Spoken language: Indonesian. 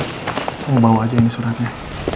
mau bawa aja ini suratnya